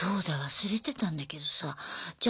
忘れてたんだけどさじゃ